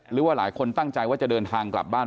หรือว่าหลายคนตั้งใจว่าจะเดินทางกลับบ้าน